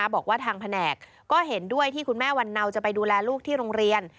บอกว่าทางแผนกก็เห็นด้วยที่คุณแม่วันเนาจะไปดูแลลูกที่โรงเรียน